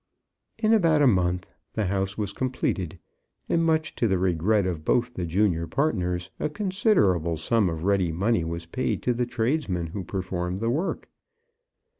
In about a month the house was completed, and much to the regret of both the junior partners, a considerable sum of ready money was paid to the tradesmen who performed the work.